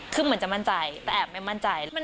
คือเหมือนจะมั่นใจแต่แอบไม่มั่นใจ